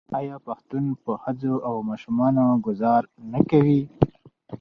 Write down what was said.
آیا پښتون په ښځو او ماشومانو ګذار نه کوي؟